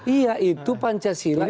iya itu pancasila yang